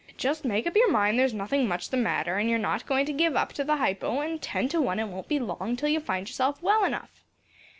"Just make up your mind that there's nothing much the matter, and you're not going to give up to the hypo, and ten to one it won't be long till you find yourself well enough."